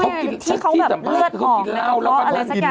ไม่ที่เขาแบบเลือดออกในข้ออะไรสักอย่าง